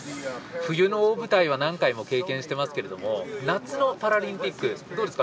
冬の大舞台は何回も経験してますけど夏のパラリンピックどうですか。